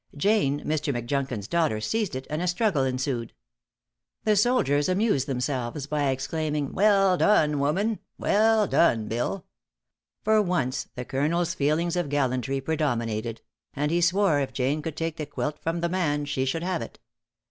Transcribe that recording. Jane, Mr. Mcjunkin's daughter, seized it, and a struggle ensued. The soldiers amused themselves by exclaiming, "Well done, woman!" "Well done, Bill!" For once the colonel's feelings of gallantry predominated; and he swore if Jane could take the quilt from the man, she should have it.